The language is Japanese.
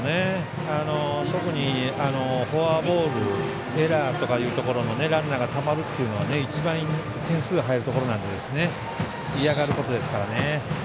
特にフォアボールエラーとかいうところでランナーがたまるというのが一番、点数が入るところなので嫌がることですから。